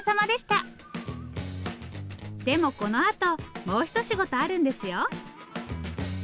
でもこのあともう一仕事あるんですよ。